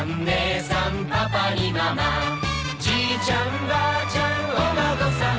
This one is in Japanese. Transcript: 「じいちゃんばあちゃんお孫さん」